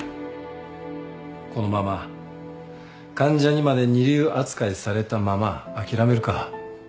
このまま患者にまで二流扱いされたまま諦めるか。